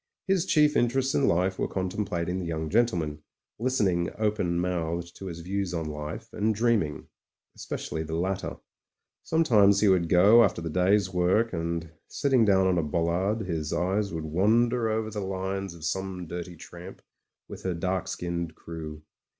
His chief interests in life were contemplating the young gentleman, listening open mouthed to his views on life, and, dreaming. Especially the latter. Sometimes he would go after the day's work, and, sitting down on a bollard, his eyes would wander over the lines of some dirty tramp, with her dark skinned crew.